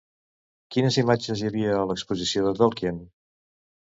Quines imatges hi havia a l'exposició de Tolkien?